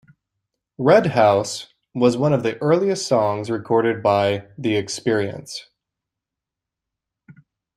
"Red House" was one of the earliest songs recorded by the Experience.